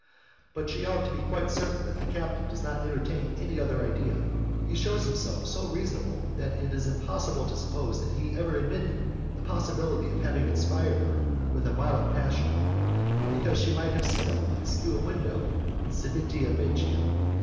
But she ought to be quite certain that the captain does not entertain any other idea; he shews himself so reasonable that it is impossible to suppose that he ever admitted the possibility of having inspired her with a violent passion, because she had seen him once through a window in Civita Vecchia.